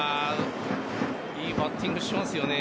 いいバッティングしますよね。